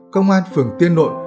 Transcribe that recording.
công an phường tiên nội